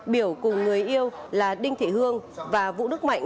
biểu cùng người yêu là đinh thị hương và vũ đức mạnh